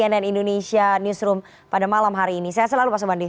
cnn indonesia newsroom pada malam hari ini saya selalu pak sobandi